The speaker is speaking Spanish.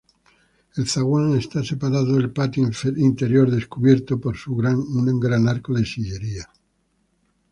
El zaguán está separado del patio interior descubierto por un gran arco de sillería.